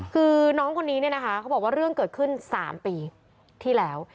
คือน้องคนนี้เนี่ยนะคะเขาบอกว่าเรื่องเกิดขึ้น๓ปีที่แล้ว